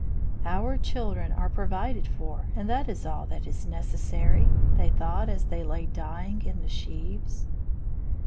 "Our children are provided for, and that is all that is necessary," they thought as they lay dying in the sheaves.